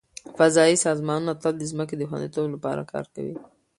فضایي سازمانونه تل د ځمکې د خوندیتوب لپاره کار کوي.